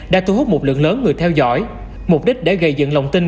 đã thu hút một lượng lớn người theo dõi mục đích để gây dựng lòng tin